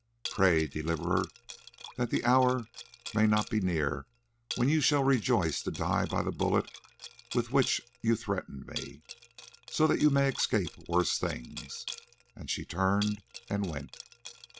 Pray, Deliverer, that the hour may not be near when you shall rejoice to die by the bullet with which you threaten me, so that you may escape worse things." And she turned and went.